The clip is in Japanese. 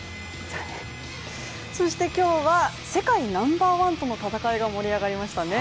そして今日は世界ナンバーワンとの戦いが盛り上がりましたね